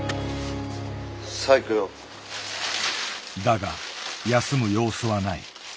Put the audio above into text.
だが休む様子はない。